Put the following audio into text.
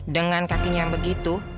dengan kakinya yang begitu